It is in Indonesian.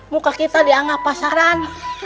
muka kita dianggap pasaran